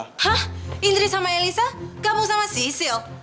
hah indri sama eliza kamu sama sisil